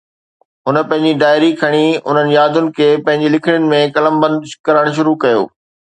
هن پنهنجي ڊائري کڻي انهن يادن کي پنهنجي لکڻين ۾ قلمبند ڪرڻ شروع ڪيو